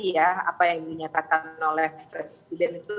apa yang dinyatakan oleh presiden itu